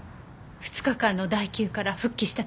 ２日間の代休から復帰した時です。